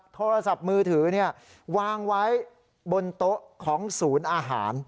โทรศัพท์มือถือวางไว้บนโต๊ะของศูนย์อาหาร